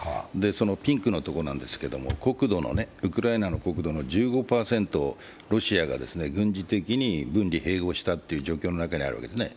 ピンクのところなんですけれども、ウクライナの国土の１５％をロシアが軍事的に分離・併合した状況の中にあるわけですね